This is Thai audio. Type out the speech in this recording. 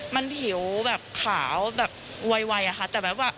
มันผิวแบบขาวแบบไวนะคะ